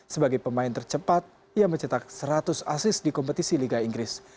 sebagai pemain tercepat yang mencetak seratus asis di kompetisi liga inggris